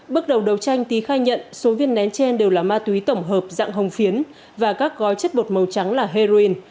bước đầu đấu tranh tý khai nhận số viên nén trên đều là ma túy tổng hợp dạng hồng phiến và các gói chất bột màu trắng là heroin